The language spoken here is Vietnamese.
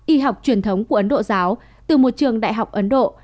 y học truyền thống của ấn độ giáo từ một trường đại học ấn độ